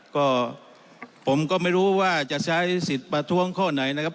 ก็ผมก็ไม่รู้ว่าจะใช้สิทธิ์ประท้วงข้อไหนนะครับ